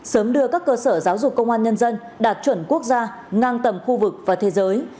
sớm đưa các cơ sở giáo dục công an nhân dân đạt chuẩn quốc gia ngang tầm khu vực và thế giới